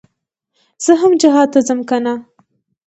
زه هم جهاد ته ځم كنه.